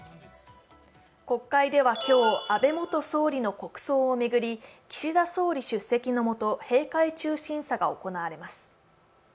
国会では今日、安倍元総理の国葬を巡り岸田総理出席の下閉会中審査が行われます。